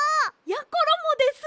やころもです！